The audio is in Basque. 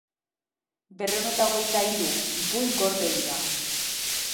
Berrehun eta hogeita hiru ipuin gorde dira.